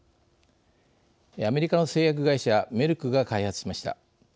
アメリカの製薬会社メルクが開発しました。